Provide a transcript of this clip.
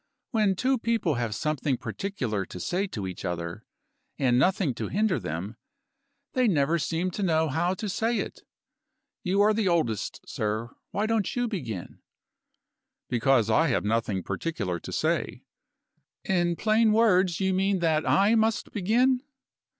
"When two people have something particular to say to each other, and nothing to hinder them, they never seem to know how to say it. You are the oldest, sir. Why don't you begin?" "Because I have nothing particular to say." "In plain words, you mean that I must begin?"